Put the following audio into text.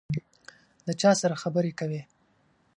د چا سره خبري کوې ؟